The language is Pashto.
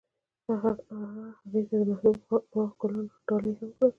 هغه هغې ته د محبوب باغ ګلان ډالۍ هم کړل.